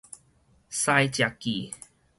饞食痣